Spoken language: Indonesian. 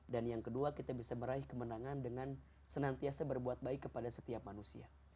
yang kedua kita bisa meraih kemenangan dengan senantiasa berbuat baik kepada setiap manusia